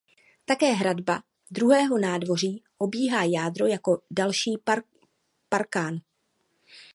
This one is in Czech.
Také hradba druhého nádvoří obíhá jádro jako další parkán.